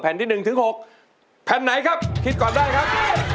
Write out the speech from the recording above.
แผ่นที่๑๖แผ่นไหนครับคิดก่อนได้ครับ